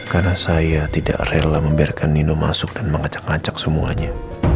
karena saya tidak rela membiarkan nino masuk dan mengacak ngacak semuanya